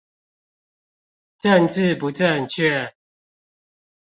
政治不正確